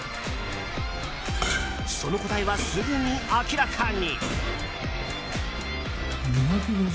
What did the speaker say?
その答えはすぐに明らかに。